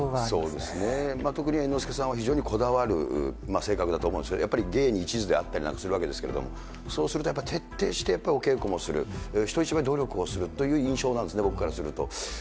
そうですね、特に猿之助さんは非常にこだわる性格だと思うんです、やっぱり芸に一途であったりなんかするわけですけども、そうするとやっぱり徹底してお稽古もする、人一倍、努力をするという印象なんですね、僕からすると。